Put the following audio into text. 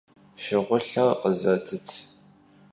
Şşığulher khızetıt.